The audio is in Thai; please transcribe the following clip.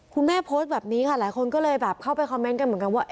โพสต์แบบนี้ค่ะหลายคนก็เลยแบบเข้าไปคอมเมนต์กันเหมือนกันว่า